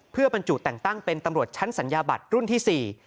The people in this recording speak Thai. เพื่อบรรจุแต่งตั้งเป็นตำรวจชั้นสัญญาบัตรรุ่นที่๔